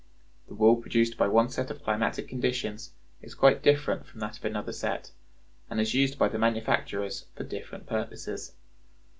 The wool produced by one set of climatic conditions is quite different from that of another set, and is used by the manufacturers for different purposes.